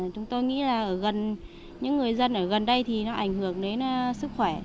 chúng tôi nghĩ là những người dân ở gần đây thì nó ảnh hưởng đến sức khỏe